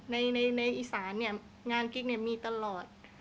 ในอีสานเนี่ยงานกิ๊กเนี่ยมีตลอด